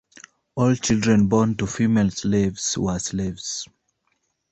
All children born to female slaves were slaves.